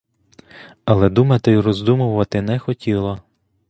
Але думати й роздумувати не хотіла.